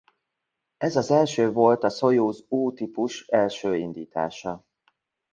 Ez az első volt a Szojuz–U típus első indítása.